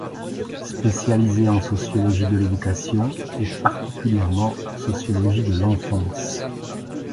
Spécialisée en sociologie de l'éducation, et particulièrement en sociologie de l'enfance.